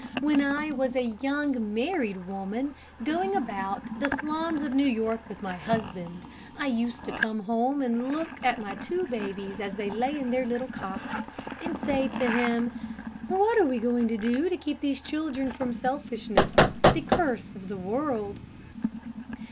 When I was a young married woman, going about the slums of New York with my husband, I used to come home and look at my two babies as they lay in their little cots, and say to him, 'What are we going to do to keep these children from selfishness the curse of the world?'